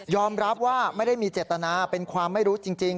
รับว่าไม่ได้มีเจตนาเป็นความไม่รู้จริง